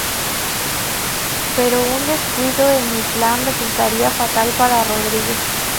Pero un descuido en el plan resultaría fatal para Rodríguez.